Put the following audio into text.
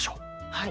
はい。